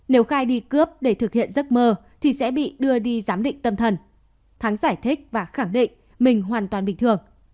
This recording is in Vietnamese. nếu khai đi cướp để thực hiện giấc mơ thì sẽ bị đưa đi giám định tâm thần thắng giải thích và khẳng định mình hoàn toàn bình thường